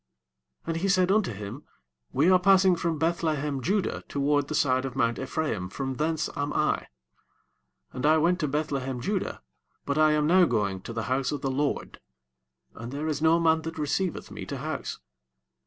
18 And he said unto him, We are passing from Beth–lehem–judah toward the side of mount E'phra im; from thence am I: and I went to Beth–lehem–judah, but I am now going to the house of the LORD; and there is no man that receiveth me to house.